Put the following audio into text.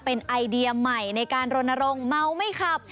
เป็นไอเดียใหม่ในการรณรงค์เมาไม่ขับ